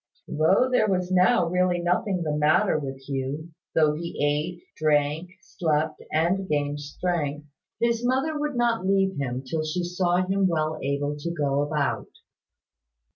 Though there was now really nothing the matter with Hugh though he ate, drank, slept, and gained strength his mother would not leave him till she saw him well able to go about.